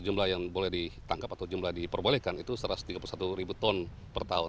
jumlah yang boleh ditangkap atau jumlah diperbolehkan itu satu ratus tiga puluh satu ribu ton per tahun